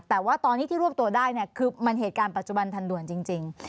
แต่ว่าตอนนี้ที่รวบตัวได้เนี่ยคือมันเหตุการณ์ปัจจุบันทันด่วนจริง